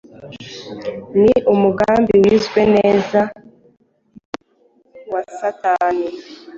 ni umugambi wizwe neza wa Satani.